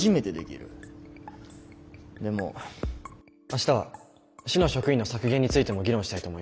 明日は市の職員の削減についても議論したいと思います。